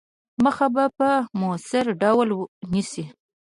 مخه به په موثِر ډول نیسي.